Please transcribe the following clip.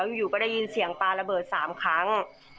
เสด็จ๑๙๔๕ตอนได้ยินเสียงปลาระเบิด๓ครั้ง